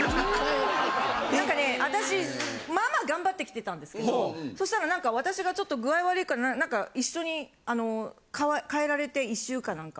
なんかねあたしまぁまぁ頑張ってきてたんですけどそしたらなんか私がちょっと具合い悪いかなんか一緒に替えられて１週かなんか。